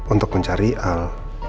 untuk mencari al